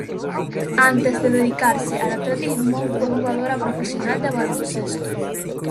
Antes de dedicarse al atletismo fue jugadora profesional de baloncesto.